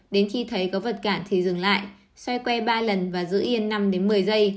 đến khi thấy có vật cản thì dừng lại xoay quay ba lần và giữ yên năm đến một mươi giây